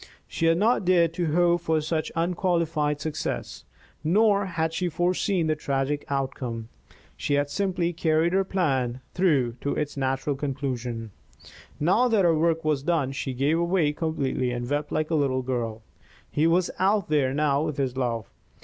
She had not dared to hope for such unqualified success, nor had she foreseen the tragic outcome. She had simply carried her plan through to its natural conclusion. Now that her work was done, she gave way completely and wept like a little girl. He was out there now with his love.